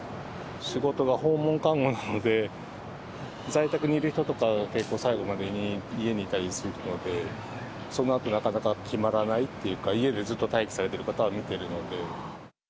仕事が訪問看護なので、在宅にいる人とかは、結構最期まで家に居たりするので、そのあと、なかなか決まらないっていうか、家でずっと待機されてる方は見てるので。